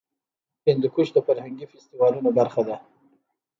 هندوکش د فرهنګي فستیوالونو برخه ده.